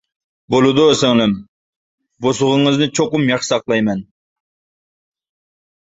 بولىدۇ سىڭلىم، بۇ سوغىڭىزنى چوقۇم ياخشى ساقلايمەن.